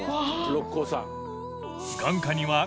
六甲山。